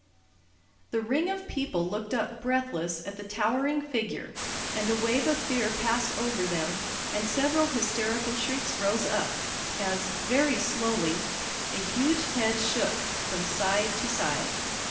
The ring of people looked up breathless at the towering figure, and a wave of fear passed over them and several hysterical shrieks rose up as, very slowly, the huge head shook from side to side.